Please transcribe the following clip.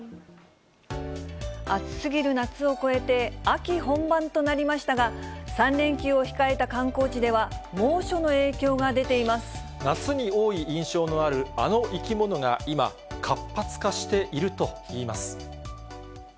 暑すぎる夏を越えて、秋本番となりましたが、３連休を控えた観光地では、猛暑の影響が出てい夏に多い印象のある、あの生き物が今、活発化しているといいます。